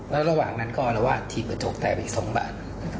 แล้วระหว่างนั้นก็อารวาสถีบกระจกแตกไปอีก๒บาท